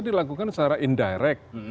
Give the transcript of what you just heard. dilakukan secara indirect